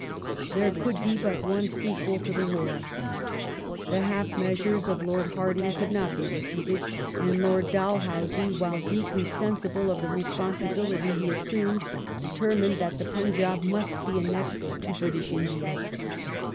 There could be but one sequel to the war. The half measures of Lord Hardinge could not be repeated, and Lord Dalhousie, while " deeply sensible of the responsibility " he assumed, determined that the Punjab must be annexed to British India.